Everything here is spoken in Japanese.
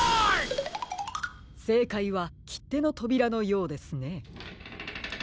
せいかいはきってのとびらのようですね。